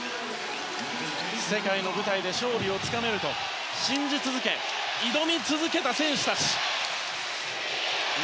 世界の舞台で勝利をつかめると信じ続け、挑み続けた選手たち。